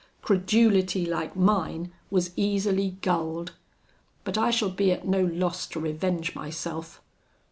Credulity like mine was easily gulled; but I shall be at no loss to revenge myself.'